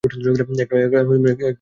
একটা নৌকা ভাড়া করিতে হইবে।